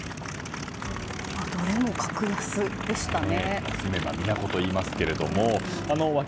どれも格安でしたね。